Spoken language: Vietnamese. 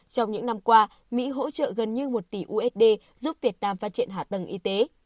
trong những năm qua mỹ hỗ trợ gần như một tỷ usd giúp việt nam phát triển hạ tầng y tế